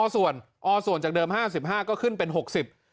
อ้อส่วนอ้อส่วนจากเดิม๕๕ก็ขึ้นเป็น๖๐บาท